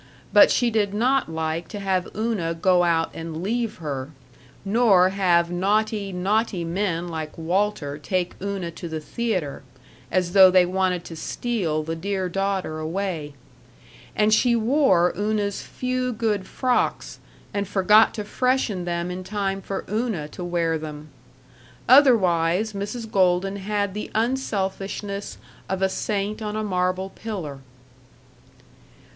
But she did not like to have Una go out and leave her, nor have naughty, naughty men like Walter take Una to the theater, as though they wanted to steal the dear daughter away. And she wore Una's few good frocks, and forgot to freshen them in time for Una to wear them. Otherwise, Mrs. Golden had the unselfishness of a saint on a marble pillar.